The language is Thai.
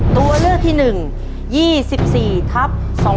ตัวเลือกที่๑๒๔ทับ๒๕๖